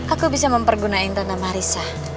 aku bisa mempergunain tante marissa